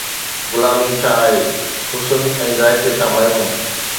غلامي ڇا آهي؟ حسن ۽ ذائقي کان محروم